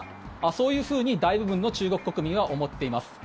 そういうふうに大部分の中国国民は思ってます。